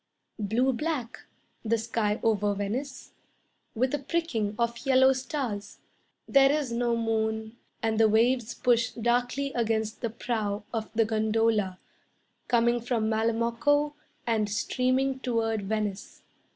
Blue black, the sky over Venice, With a pricking of yellow stars. There is no moon, And the waves push darkly against the prow Of the gondola, Coming from Malamocco And streaming toward Venice.